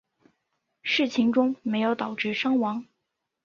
事件中没有导致伤亡。